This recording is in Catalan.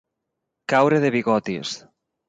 Caure de bigotis.